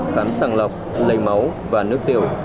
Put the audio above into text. khám sàng lọc lây máu và nước tiểu